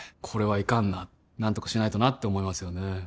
これはいかんな何とかしないとなって思いますよね